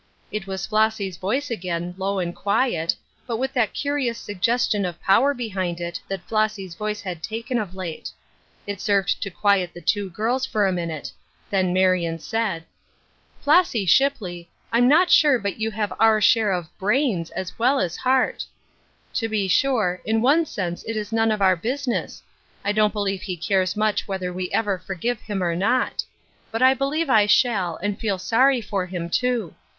It was Flossy's voice again — low and quiet, but with that curious suggestion of powei behind it that Flossy's voice had taken of late. It served to quiet the two girls for a minute, tber Marion said :" Flossy Shipley, I'm not sure but you liav6 our share of brains, an well as heart. To be Side Issues. 29 sure, in one sense it is none of our business. 1 don't believe he cares much whether we ever forgive him or not. But I believe I shall, and feel sorry for him, too.